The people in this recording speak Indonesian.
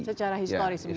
secara historis begitu ya